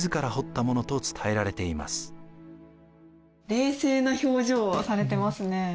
冷静な表情をされてますね。